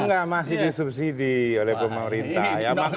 enggak masih di subsidi oleh pemerintah